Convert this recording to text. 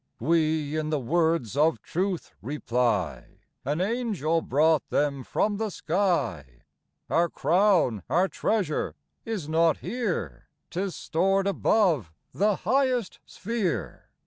We in the words of truth reply, (An angel brought them from the sky), —" Our crown, our treasure, is not here : 'Tis stored above the highest sphere.